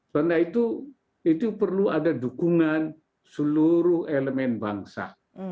karena itu itu perlu ada dukungan seluruh elemen bangsa